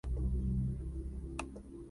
Actualmente dirige al Al-Nasr Sports Club.